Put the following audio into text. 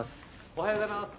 おはようございます。